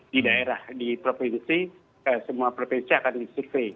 di daerah di provinsi semua provinsi akan disukai